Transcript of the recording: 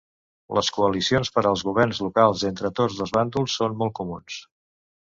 Les coalicions per als governs locals entre tots dos bàndols són molt comuns.